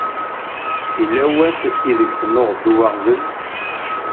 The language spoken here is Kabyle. Yella was ideg tennuɣeḍ d uwaɣzen?